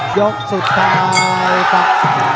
ยกสุดท้ายครับ